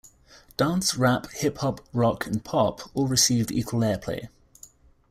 Dance, rap, hip-hop, rock, and pop all received equal airplay.